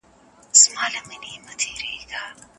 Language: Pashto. مشران په جرګه کي پر ملي مسايلو توافق کوي.